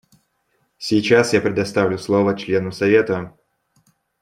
Сейчас я предоставлю слово членам Совета.